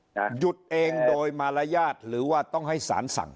หยุดเองโดยมารยาทหรือว่าต้องให้สารสั่ง